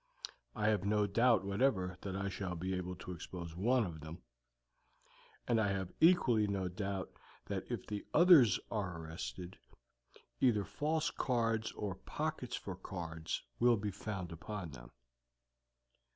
"I have no doubt whatever that I shall be able to expose one of them; and I have equally no doubt that if the others are arrested, either false cards or pockets for cards will be found upon them.